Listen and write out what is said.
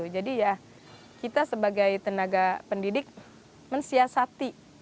jadi ya kita sebagai tenaga pendidik mensiasati